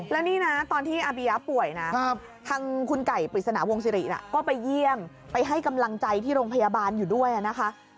แล้วนี่นะตอนที่อาเบียป่วยนะทางคุณไก่ปริศนาวงศิริก็ไปเยี่ยมไปให้กำลังใจที่โรงพยาบาลอยู่ด้วยนะคะ